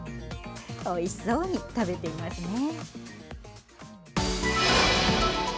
おいしそうに食べていますね。